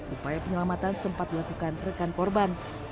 upaya penyelamatan sempat dilakukan rekan korban